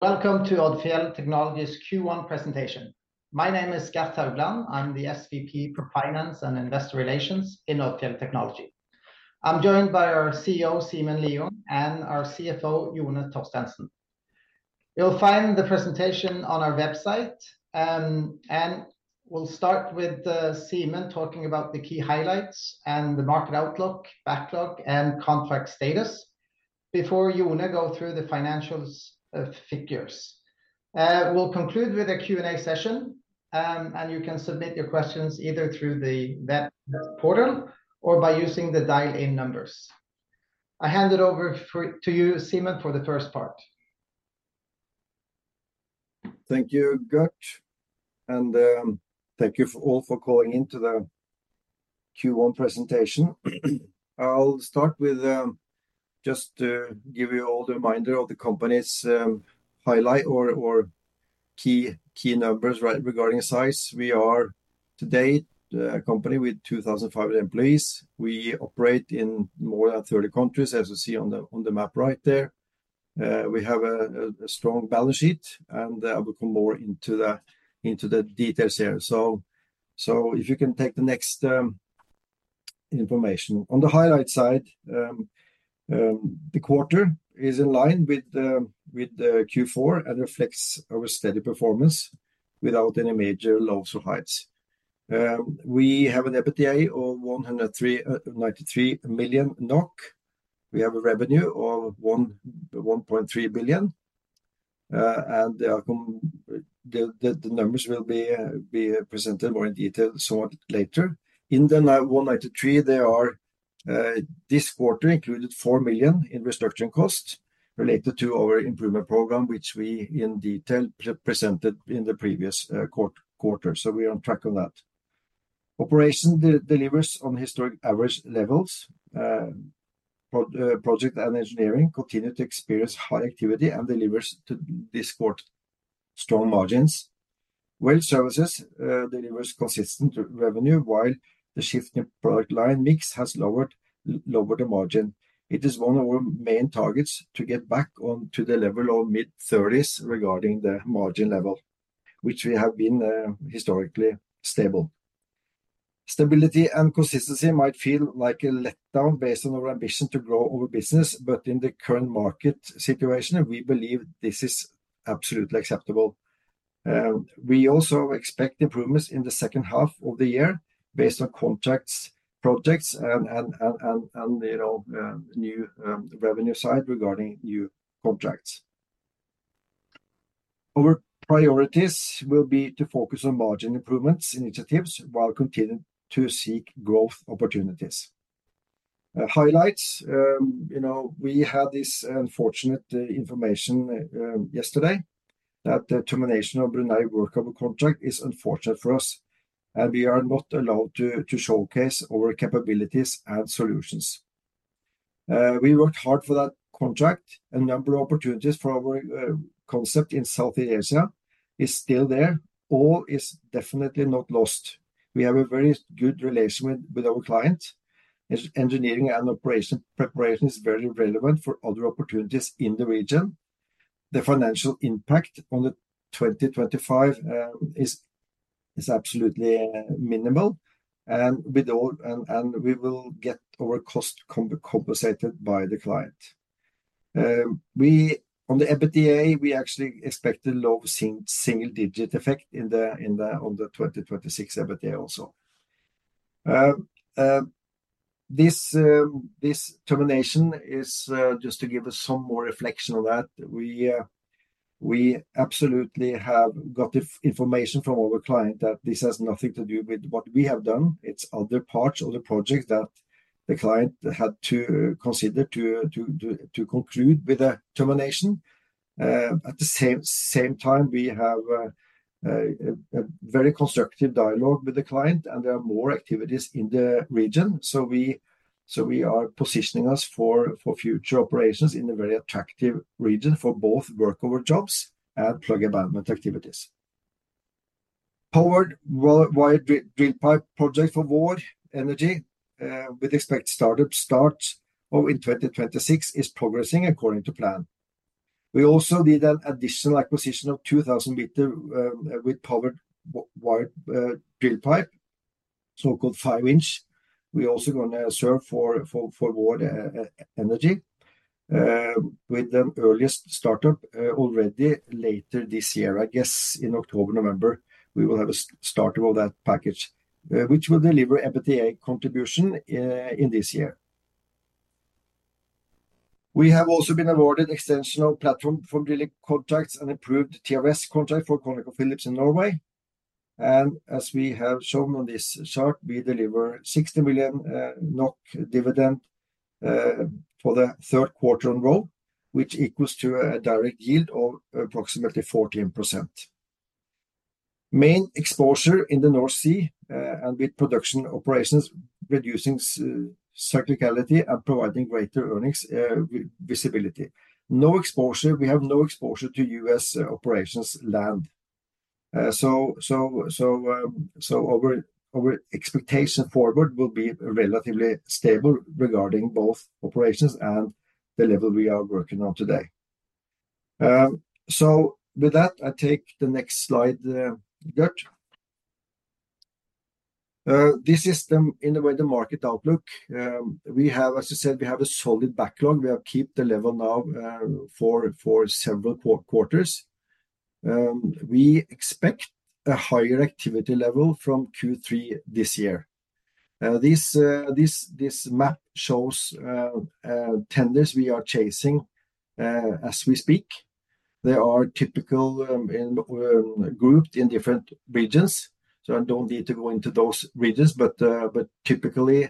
Welcome to Odfjell Technology's Q1 presentation. My name is Gert Haugland. I'm the SVP for Finance and Investor Relations in Odfjell Technology. I'm joined by our CEO, Simen Lieungh, and our CFO, Jone Torstensen. You'll find the presentation on our website, and we'll start with Simen talking about the key highlights and the market outlook, backlog, and contract status before Jone goes through the financial figures. We'll conclude with a Q&A session, and you can submit your questions either through the web portal or by using the dial-in numbers. I hand it over to you, Simen, for the first part. Thank you, Gert, and thank you all for calling into the Q1 presentation. I'll start with just to give you all the reminder of the company's highlight or key numbers regarding size. We are today a company with 2,500 employees. We operate in more than 30 countries, as you see on the map right there. We have a strong balance sheet, and I will come more into the details here. If you can take the next information. On the highlight side, the quarter is in line with Q4 and reflects our steady performance without any major lows or highs. We have an EBITDA of 193 million NOK. We have a revenue of 1.3 billion, and the numbers will be presented more in detail shortly. In the 193 million, this quarter included 4 million in restructuring costs related to our improvement program, which we in detail presented in the previous quarter. We are on track on that. Operations delivers on historic average levels. Projects & Engineering continue to experience high activity and delivers this quarter strong margins. Well Services delivers consistent revenue, while the shift in product line mix has lowered the margin. It is one of our main targets to get back onto the level of mid-30s regarding the margin level, which we have been historically stable. Stability and consistency might feel like a letdown based on our ambition to grow our business, but in the current market situation, we believe this is absolutely acceptable. We also expect improvements in the second half of the year based on contracts, projects, and new revenue side regarding new contracts. Our priorities will be to focus on margin improvements initiatives while continuing to seek growth opportunities. Highlights, we had this unfortunate information yesterday that the termination of Brunei work of a contract is unfortunate for us, and we are not allowed to showcase our capabilities and solutions. We worked hard for that contract. A number of opportunities for our concept in South Asia is still there. All is definitely not lost. We have a very good relation with our client. Engineering and operation preparation is very relevant for other opportunities in the region. The financial impact on the 2025 is absolutely minimal, and we will get our cost compensated by the client. On the EBITDA, we actually expected low single-digit effect on the 2026 EBITDA also. This termination is just to give us some more reflection on that. We absolutely have got information from our client that this has nothing to do with what we have done. It's other parts, other projects that the client had to consider to conclude with a termination. At the same time, we have a very constructive dialogue with the client, and there are more activities in the region. We are positioning us for future operations in a very attractive region for both work over jobs and plug abandonment activities. Powered wire drill pipe project for VOR Energy with expected startup start in 2026 is progressing according to plan. We also did an additional acquisition of 2,000 meters with powered wire drill pipe, so-called five-inch. We are also going to serve for VOR Energy with the earliest startup already later this year. I guess in October, November, we will have a start of that package, which will deliver EBITDA contribution in this year. We have also been awarded extension of platform for drilling contracts and approved TRS contract for ConocoPhillips in Norway. As we have shown on this chart, we deliver 60 million NOK dividend for the third quarter on row, which equals to a direct yield of approximately 14%. Main exposure in the North Sea and with production operations reducing cyclicality and providing greater earnings visibility. No exposure. We have no exposure to U.S. operations land. Our expectation forward will be relatively stable regarding both operations and the level we are working on today. With that, I take the next slide, Gert. This is in a way the market outlook. We have, as you said, we have a solid backlog. We have kept the level now for several quarters. We expect a higher activity level from Q3 this year. This map shows tenders we are chasing as we speak. They are typically grouped in different regions. I do not need to go into those regions, but typically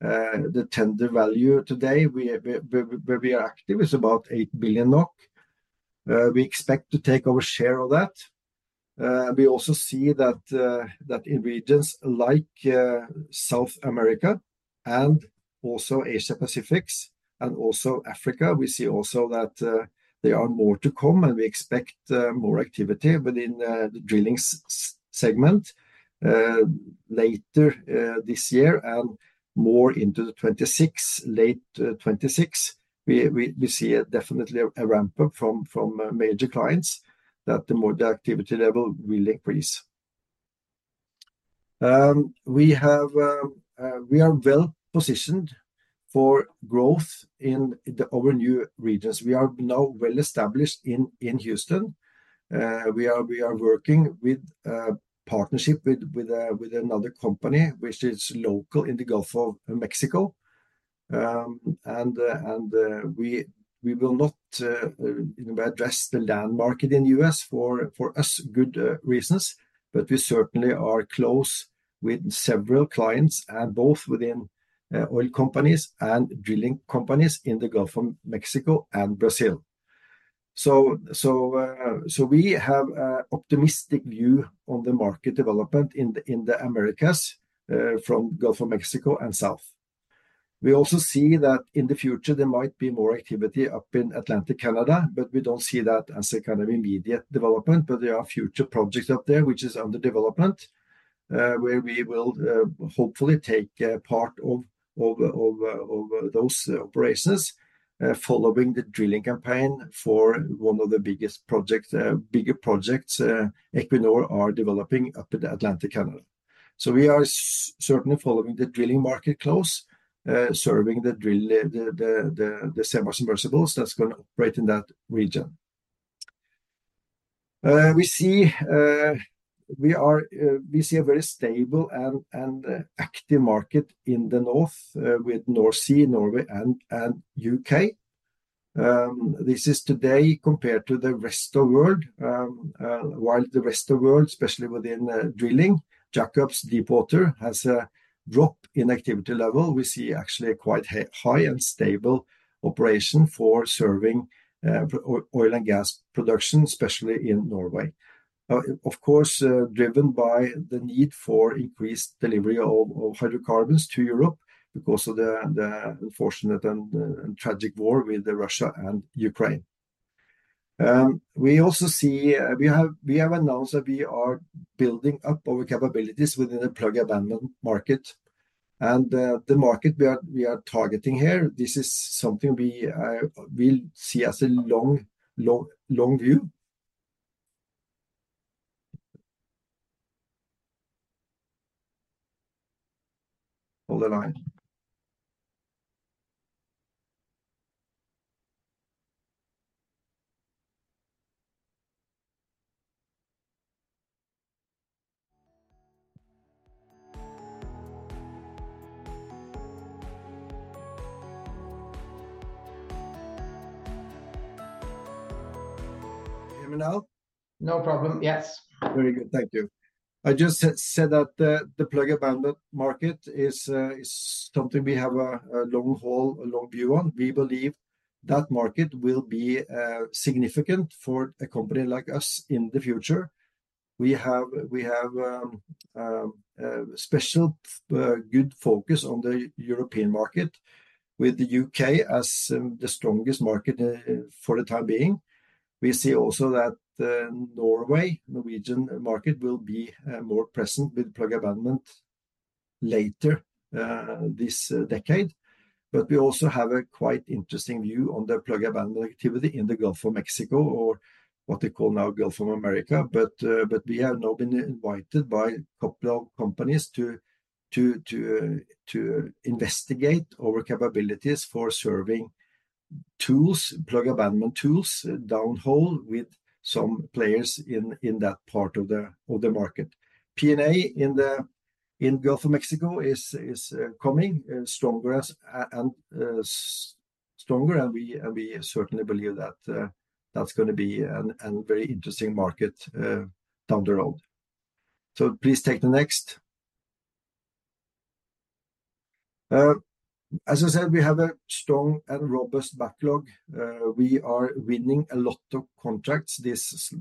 the tender value today where we are active is about 8 billion NOK. We expect to take our share of that. We also see that in regions like South America and also Asia-Pacific and also Africa, we see also that there are more to come and we expect more activity within the drilling segment later this year and more into 2026, late 2026. We see definitely a ramp up from major clients that the activity level will increase. We are well positioned for growth in our new regions. We are now well established in Houston. We are working with partnership with another company, which is local in the Gulf of Mexico. We will not address the land market in the U.S. for us, good reasons, but we certainly are close with several clients, both within oil companies and drilling companies in the Gulf of Mexico and Brazil. We have an optimistic view on the market development in the Americas from Gulf of Mexico and south. We also see that in the future, there might be more activity up in Atlantic Canada, but we do not see that as a kind of immediate development, but there are future projects up there which are under development where we will hopefully take part of those operations following the drilling campaign for one of the biggest projects, bigger projects Equinor are developing up in Atlantic Canada. We are certainly following the drilling market close, serving the semi-submersibles that are going to operate in that region. We see a very stable and active market in the north with North Sea, Norway, and U.K. This is today compared to the rest of the world. While the rest of the world, especially within drilling, Jacobs Deepwater has a drop in activity level, we see actually a quite high and stable operation for serving oil and gas production, especially in Norway. Of course, driven by the need for increased delivery of hydrocarbons to Europe because of the unfortunate and tragic war with Russia and Ukraine. We also see we have announced that we are building up our capabilities within the plug abandonment market. The market we are targeting here, this is something we will see as a long view. Hold the line. Simen now? No problem. Yes. Very good. Thank you. I just said that the plug abandonment market is something we have a long haul, a long view on. We believe that market will be significant for a company like us in the future. We have special good focus on the European market with the U.K. as the strongest market for the time being. We see also that Norway, Norwegian market will be more present with plug abandonment later this decade. We also have a quite interesting view on the plug abandonment activity in the Gulf of Mexico or what they call now Gulf of America. We have now been invited by a couple of companies to investigate our capabilities for serving tools, plug abandonment tools down hole with some players in that part of the market. P&A in Gulf of Mexico is coming stronger and we certainly believe that that's going to be a very interesting market down the road. Please take the next. As I said, we have a strong and robust backlog. We are winning a lot of contracts. This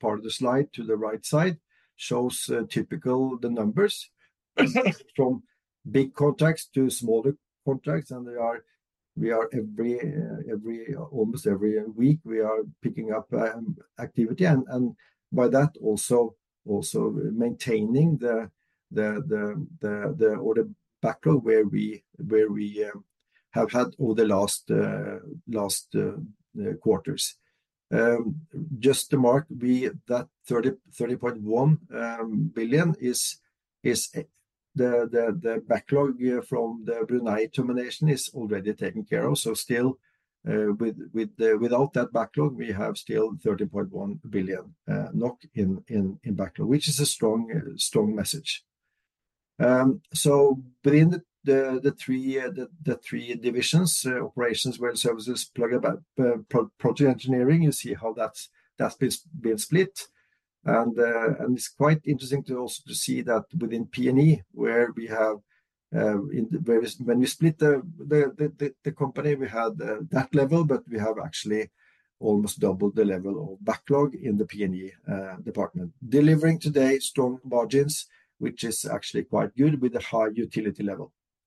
part of the slide to the right side shows typically the numbers from big contracts to smaller contracts. Almost every week we are picking up activity and by that also maintaining the backlog where we have had over the last quarters. Just to mark, that 30.1 billion is the backlog from the Brunei termination, which is already taken care of. Still, without that backlog, we have 13.1 billion NOK in backlog, which is a strong message. Within the three divisions, operations, well services, plug, project engineering, you see how that's been split. It is quite interesting to also see that within P&E, where we have, when we split the company, we had that level, but we have actually almost doubled the level of backlog in the P&E department. Delivering today strong margins, which is actually quite good with a high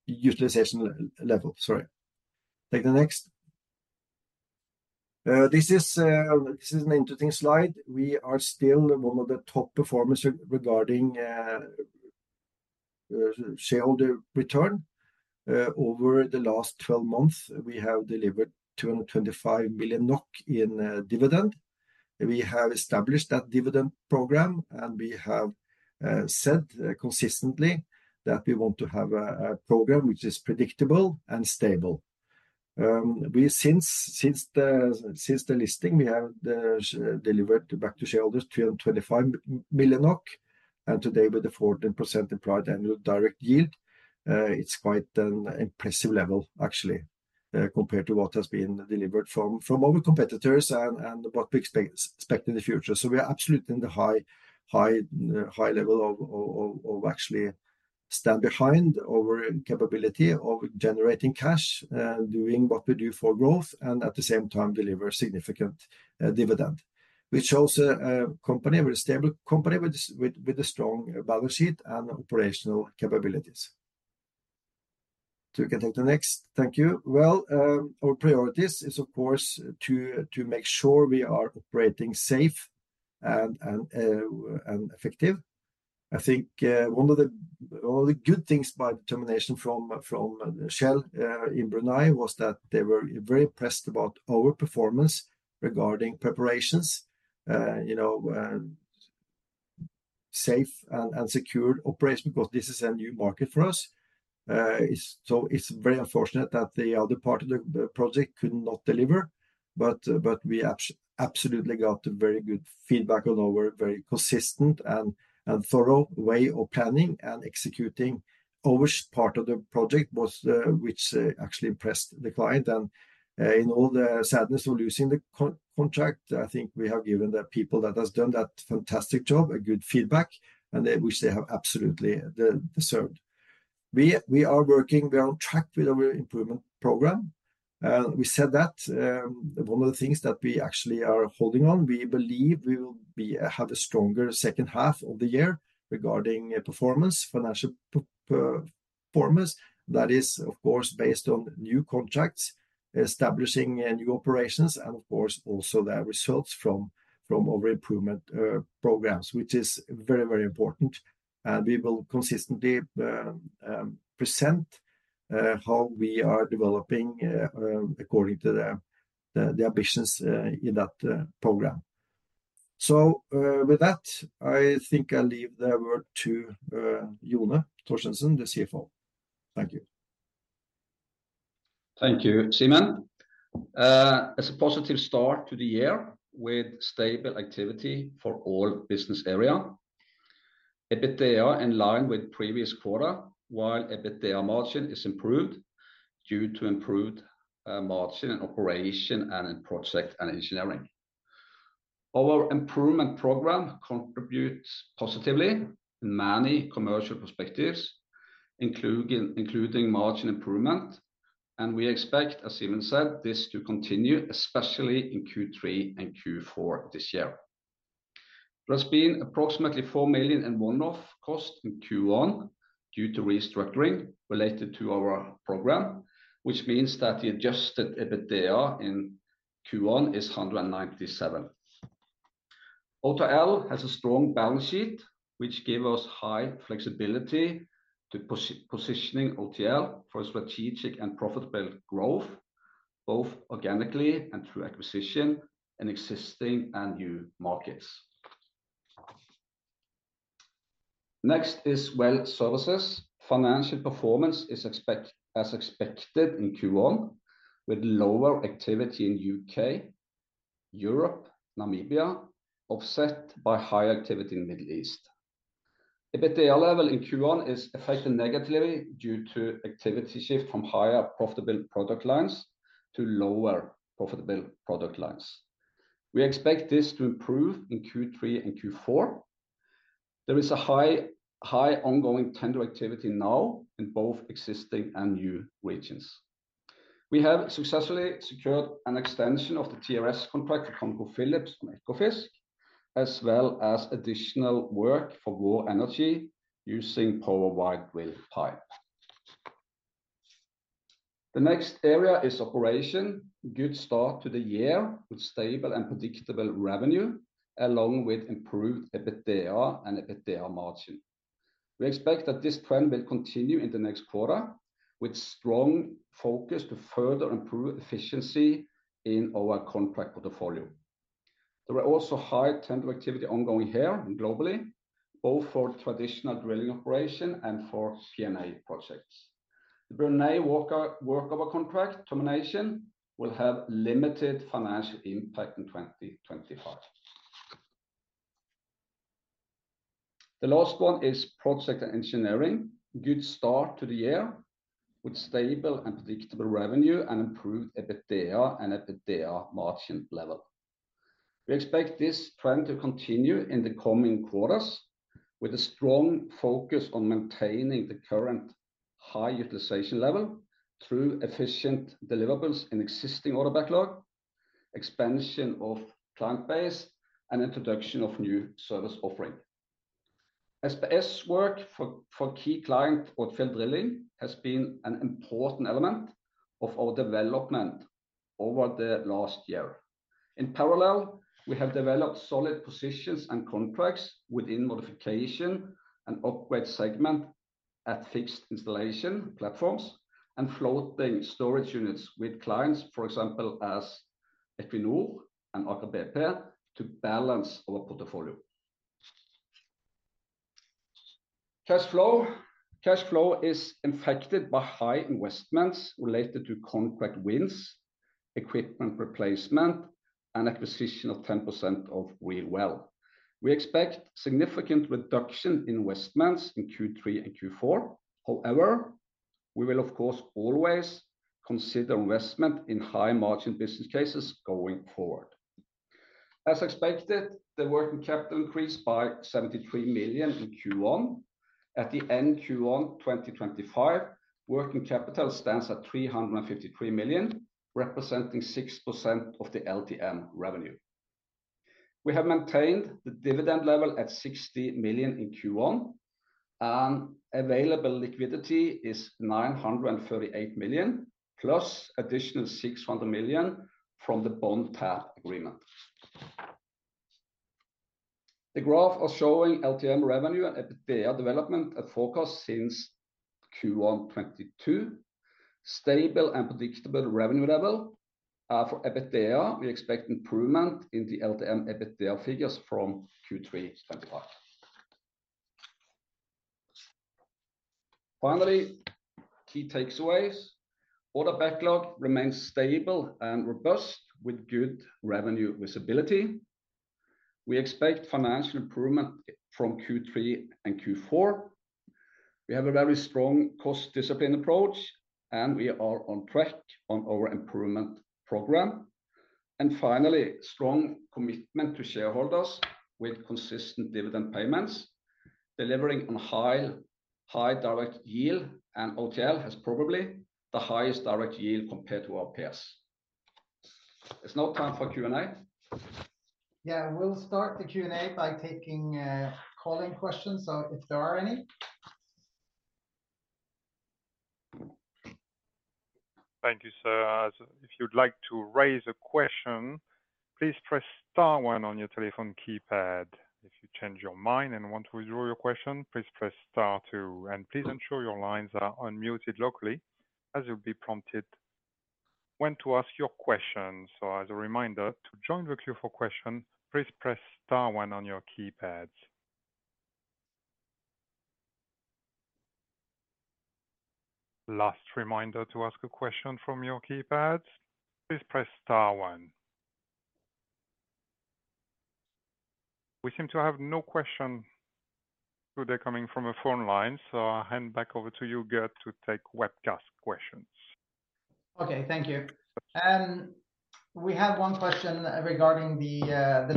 utilization level. Sorry. Take the next. This is an interesting slide. We are still one of the top performers regarding shareholder return. Over the last 12 months, we have delivered 225 million NOK in dividend. We have established that dividend program, and we have said consistently that we want to have a program which is predictable and stable. Since the listing, we have delivered back to shareholders 225 million. Today, with the 14% implied annual direct yield, it's quite an impressive level, actually, compared to what has been delivered from our competitors and what we expect in the future. We are absolutely in the high level of actually stand behind our capability of generating cash, doing what we do for growth, and at the same time, deliver significant dividend. This shows a company, a very stable company with a strong balance sheet and operational capabilities. We can take the next. Thank you. Our priorities is, of course, to make sure we are operating safe and effective. I think one of the good things by the termination from Shell in Brunei was that they were very impressed about our performance regarding preparations, safe and secured operations, because this is a new market for us. It is very unfortunate that the other part of the project could not deliver, but we absolutely got very good feedback on our very consistent and thorough way of planning and executing our part of the project, which actually impressed the client. In all the sadness of losing the contract, I think we have given the people that have done that fantastic job good feedback, which they have absolutely deserved. We are working on track with our improvement program. We said that one of the things that we actually are holding on, we believe we will have a stronger second half of the year regarding performance, financial performance. That is, of course, based on new contracts, establishing new operations, and of course, also the results from our improvement programs, which is very, very important. We will consistently present how we are developing according to the ambitions in that program. With that, I think I'll leave the word to Jone Torstensen, the CFO. Thank you. Thank you, Simen. It's a positive start to the year with stable activity for all business area. EBITDA in line with previous quarter, while EBITDA margin is improved due to improved margin in operation and Projects & Engineering. Our improvement program contributes positively in many commercial perspectives, including margin improvement. We expect, as Simen said, this to continue, especially in Q3 and Q4 this year. There has been approximately 4 million in one-off cost in Q1 due to restructuring related to our program, which means that the adjusted EBITDA in Q1 is 197 million. OTL has a strong balance sheet, which gives us high flexibility to positioning OTL for strategic and profitable growth, both organically and through acquisition in existing and new markets. Next is Well Services. Financial performance is as expected in Q1, with lower activity in the U.K., Europe, Namibia, offset by higher activity in the Middle East. EBITDA level in Q1 is affected negatively due to activity shift from higher profitable product lines to lower profitable product lines. We expect this to improve in Q3 and Q4. There is a high ongoing tender activity now in both existing and new regions. We have successfully secured an extension of the TRS contract with ConocoPhillips and Ekofisk, as well as additional work for Vår Energi using Powered Wire Drill Pipe. The next area is Operations. Good start to the year with stable and predictable revenue, along with improved EBITDA and EBITDA margin. We expect that this trend will continue in the next quarter, with strong focus to further improve efficiency in our contract portfolio. There are also high tender activity ongoing here globally, both for traditional drilling operation and for P&A projects. The Brunei work of a contract termination will have limited financial impact in 2025. The last one is project engineering. Good start to the year with stable and predictable revenue and improved EBITDA and EBITDA margin level. We expect this trend to continue in the coming quarters, with a strong focus on maintaining the current high utilization level through efficient deliverables in existing order backlog, expansion of client base, and introduction of new service offering. SPS work for key client Odfjell Drilling has been an important element of our development over the last year. In parallel, we have developed solid positions and contracts within modification and upgrade segment at fixed installation platforms and floating storage units with clients, for example, as Equinor and Aker BP to balance our portfolio. Cash flow is affected by high investments related to contract wins, equipment replacement, and acquisition of 10% of Wheel Well. We expect significant reduction in investments in Q3 and Q4. However, we will, of course, always consider investment in high margin business cases going forward. As expected, the working capital increased by 73 million in Q1. At the end Q1 2025, working capital stands at 353 million, representing 6% of the LTM revenue. We have maintained the dividend level at 60 million in Q1, and available liquidity is 938 million, plus additional 600 million from the bond path agreement. The graph is showing LTM revenue and EBITDA development at forecast since Q1 2022. Stable and predictable revenue level. For EBITDA, we expect improvement in the LTM EBITDA figures from Q3 2025. Finally, key takeaways. Order backlog remains stable and robust with good revenue visibility. We expect financial improvement from Q3 and Q4. We have a very strong cost discipline approach, and we are on track on our improvement program. Finally, strong commitment to shareholders with consistent dividend payments, delivering on high direct yield, and Odfjell Technology has probably the highest direct yield compared to our peers. It is now time for Q&A. Yeah, we'll start the Q&A by taking call-in questions, so if there are any. Thank you, sir. If you'd like to raise a question, please press star one on your telephone keypad. If you change your mind and want to withdraw your question, please press star two. Please ensure your lines are unmuted locally, as you'll be prompted when to ask your question. As a reminder, to join the queue for questions, please press star one on your keypads. Last reminder to ask a question from your keypads. Please press star one. We seem to have no questions today coming from a phone line, so I'll hand back over to you, Gert, to take webcast questions. Okay, thank you. We have one question regarding the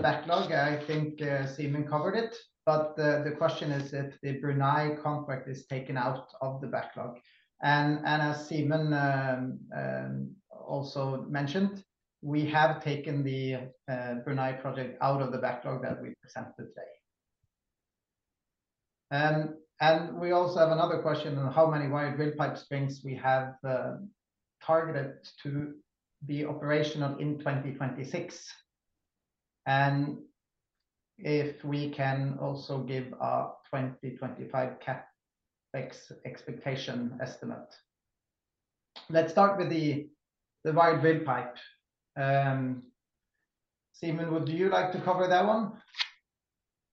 backlog. I think Simen covered it, but the question is if the Brunei contract is taken out of the backlog. As Simen also mentioned, we have taken the Brunei project out of the backlog that we presented today. We also have another question on how many wire drill pipe strings we have targeted to be operational in 2026, and if we can also give a 2025 CAPEX expectation estimate. Let's start with the wire drill pipe. Simen, would you like to cover that one?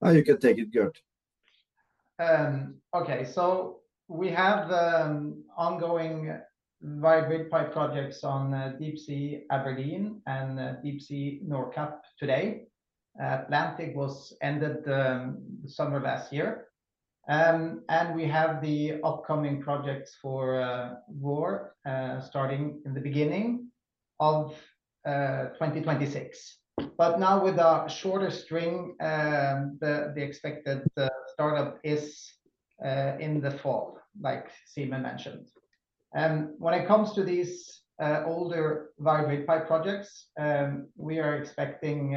You can take it, Gert. Okay, so we have ongoing wide drill pipe projects on Deepsea Aberdeen and Deepsea NorCap today. Atlantic was ended the summer last year. We have the upcoming projects for ROR starting in the beginning of 2026. Now with a shorter string, the expected startup is in the fall, like Simen mentioned. When it comes to these older wide drill pipe projects, we are expecting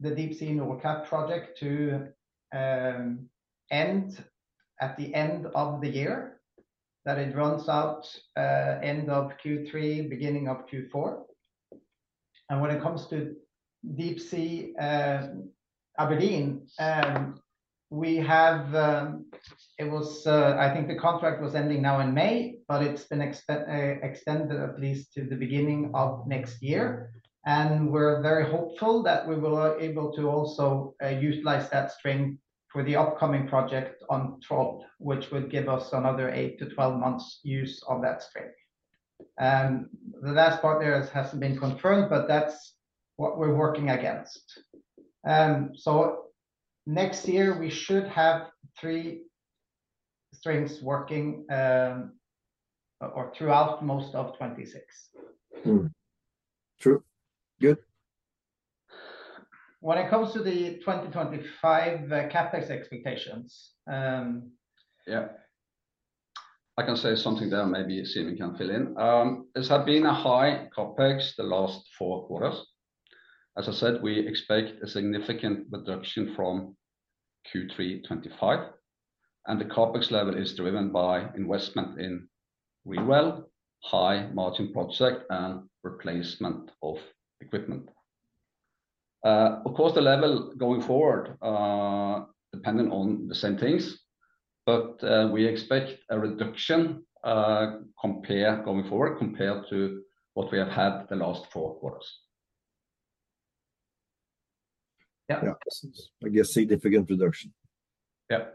the Deepsea NorCap project to end at the end of the year, that it runs out end of Q3, beginning of Q4. When it comes to Deepsea Aberdeen, we have it was, I think the contract was ending now in May, but it's been extended at least to the beginning of next year. We are very hopeful that we will be able to also utilize that strength for the upcoming project on Trollp, which would give us another 8-12 months' use of that strength. The last part there has not been confirmed, but that is what we are working against. Next year, we should have three strengths working or throughout most of 2026. True. Good. When it comes to the 2025 CAPEX expectations. Yeah. I can say something there, maybe Simen can fill in. There has been a high CAPEX the last four quarters. As I said, we expect a significant reduction from Q3 2025. The CAPEX level is driven by investment in Wheel Well, high margin project, and replacement of equipment. Of course, the level going forward depends on the same things, but we expect a reduction going forward compared to what we have had the last four quarters. Yeah. I guess significant reduction. Yeah.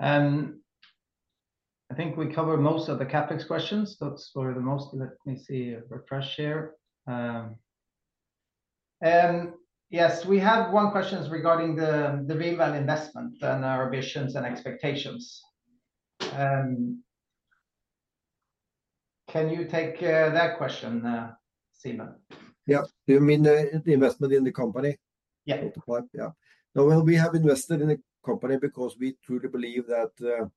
I think we covered most of the CAPEX questions, but for the most, let me see a refresh here. Yes, we have one question regarding the Wheel Well investment and our ambitions and expectations. Can you take that question, Simen? Yeah. Do you mean the investment in the company? Yeah. Yeah. No, we have invested in the company because we truly believe that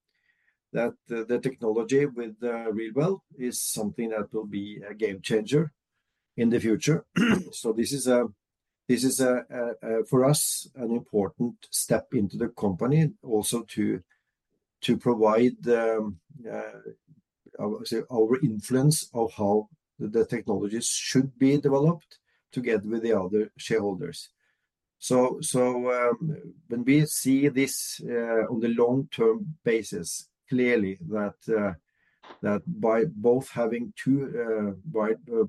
the technology with the Wheel Well is something that will be a game changer in the future. This is, for us, an important step into the company also to provide our influence of how the technologies should be developed together with the other shareholders. When we see this on the long-term basis, clearly that by both having two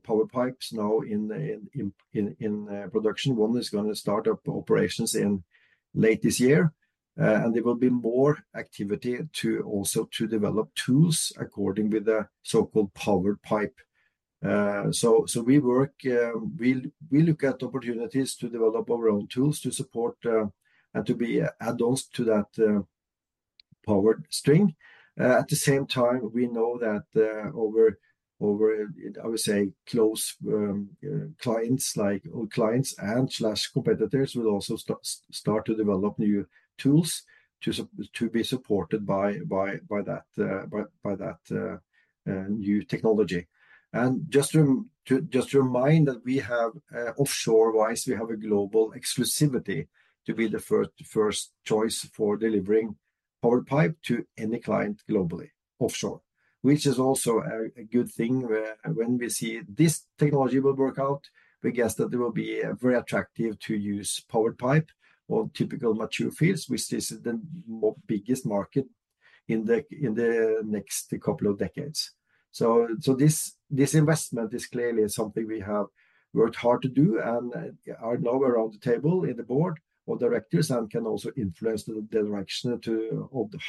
power pipes now in production, one is going to start up operations in late this year, and there will be more activity to also develop tools according with the so-called powered pipe. We look at opportunities to develop our own tools to support and to be add-ons to that powered string. At the same time, we know that over, I would say, close clients and/or competitors will also start to develop new tools to be supported by that new technology. Just to remind that we have offshore-wise, we have a global exclusivity to be the first choice for delivering powered pipe to any client globally offshore, which is also a good thing. When we see this technology will work out, we guess that it will be very attractive to use powered pipe on typical mature fields, which is the biggest market in the next couple of decades. This investment is clearly something we have worked hard to do and are now around the table in the board of directors and can also influence the direction of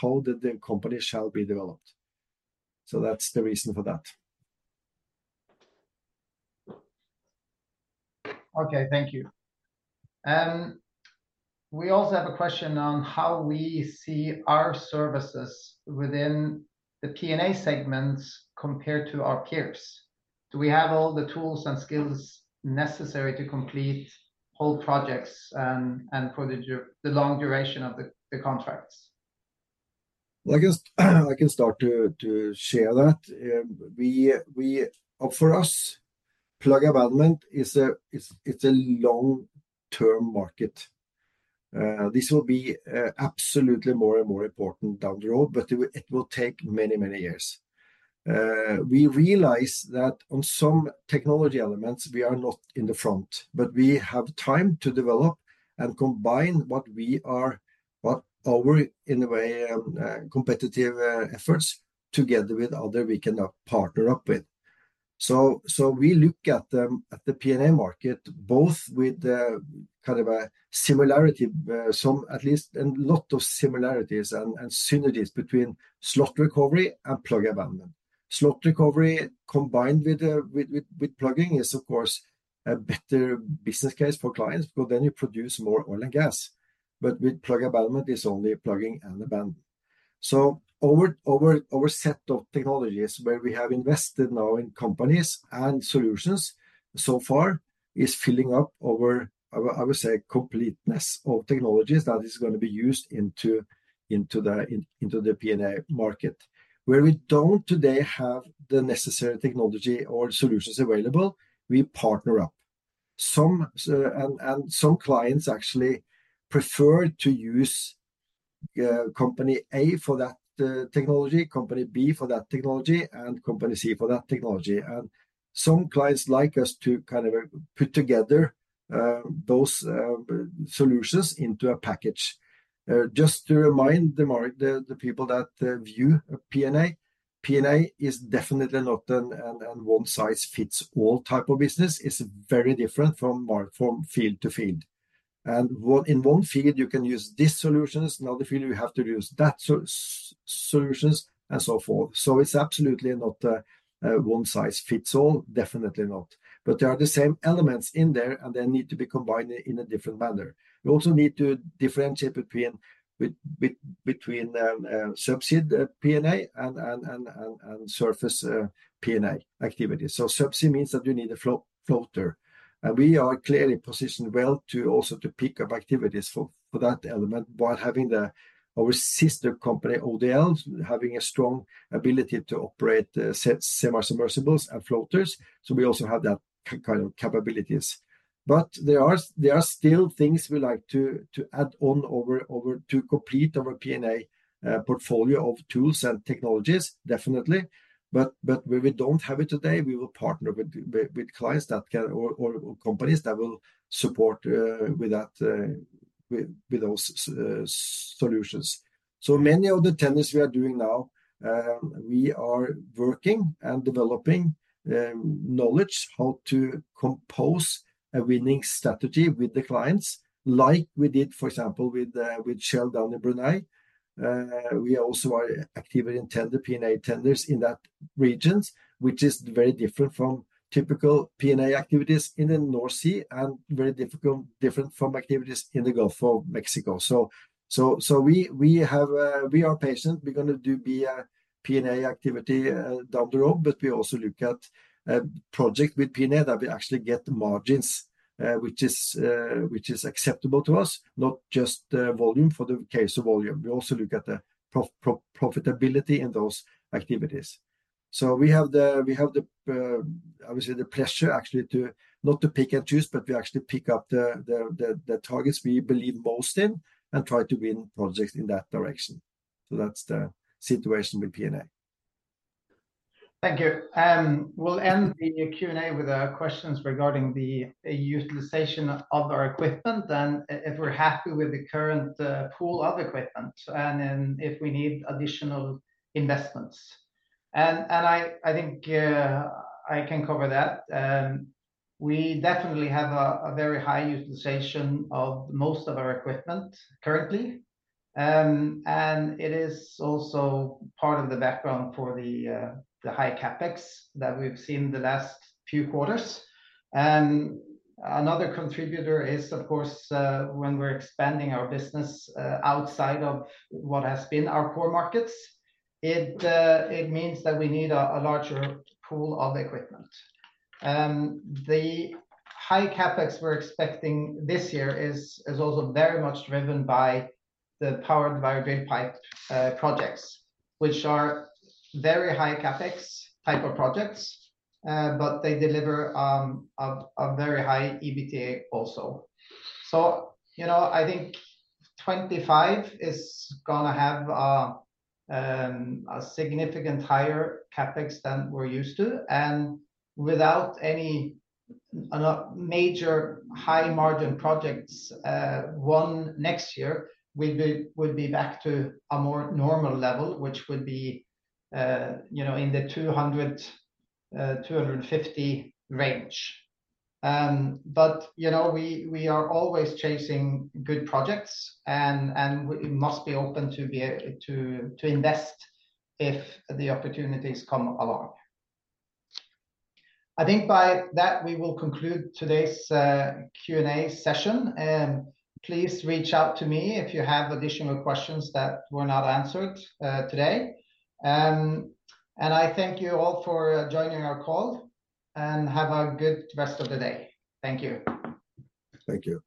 how the company shall be developed. That is the reason for that. Okay, thank you. We also have a question on how we see our services within the P&A segments compared to our peers. Do we have all the tools and skills necessary to complete whole projects and for the long duration of the contracts? I can start to share that. For us, plug abandonment is a long-term market. This will be absolutely more and more important down the road, but it will take many, many years. We realize that on some technology elements, we are not in the front, but we have time to develop and combine what we are, what our, in a way, competitive efforts together with others we can partner up with. We look at the P&A market both with kind of a similarity, some at least a lot of similarities and synergies between slot recovery and plug abandonment. Slot recovery combined with plugging is, of course, a better business case for clients because then you produce more oil and gas. With plug abandonment, it is only plugging and abandonment. Our set of technologies where we have invested now in companies and solutions so far is filling up our, I would say, completeness of technologies that is going to be used into the P&A market. Where we do not today have the necessary technology or solutions available, we partner up. Some clients actually prefer to use company A for that technology, company B for that technology, and company C for that technology. Some clients like us to kind of put together those solutions into a package. Just to remind the people that view P&A, P&A is definitely not a one-size-fits-all type of business. It is very different from field to field. In one field, you can use these solutions. In other fields, you have to use that solutions and so forth. It is absolutely not a one-size-fits-all, definitely not. There are the same elements in there, and they need to be combined in a different manner. We also need to differentiate between subsea P&A and surface P&A activities. Subsea means that you need a floater. We are clearly positioned well to also pick up activities for that element while having our sister company Odfjell Drilling having a strong ability to operate semi-submersibles and floaters. We also have that kind of capabilities. There are still things we like to add on to complete our P&A portfolio of tools and technologies, definitely. Where we do not have it today, we will partner with clients or companies that will support with those solutions. Many of the tenders we are doing now, we are working and developing knowledge how to compose a winning strategy with the clients like we did, for example, with Shell down in Brunei. We also are active in P&A tenders in that region, which is very different from typical P&A activities in the North Sea and very different from activities in the Gulf of Mexico. We are patient. We're going to do P&A activity down the road, but we also look at projects with P&A that will actually get margins, which is acceptable to us, not just volume for the case of volume. We also look at the profitability in those activities. We have the, I would say, the pleasure actually to not to pick and choose, but we actually pick up the targets we believe most in and try to win projects in that direction. That is the situation with P&A. Thank you. We'll end the Q&A with questions regarding the utilization of our equipment and if we're happy with the current pool of equipment and if we need additional investments. I think I can cover that. We definitely have a very high utilization of most of our equipment currently. It is also part of the background for the high CAPEX that we've seen the last few quarters. Another contributor is, of course, when we're expanding our business outside of what has been our core markets, it means that we need a larger pool of equipment. The high CAPEX we're expecting this year is also very much driven by the powered wire drill pipe projects, which are very high CAPEX type of projects, but they deliver a very high EBITDA also. I think 2025 is going to have a significant higher CAPEX than we're used to. Without any major high-margin projects, next year would be back to a more normal level, which would be in the 200 million-250 million range. We are always chasing good projects, and we must be open to invest if the opportunities come along. I think by that, we will conclude today's Q&A session. Please reach out to me if you have additional questions that were not answered today. I thank you all for joining our call and have a good rest of the day. Thank you. Thank you.